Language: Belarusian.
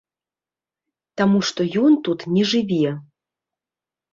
Таму што ён тут не жыве.